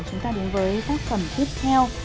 chúng ta đến với tác phẩm tiếp theo